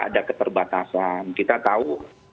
ada keterbatasan kita tahu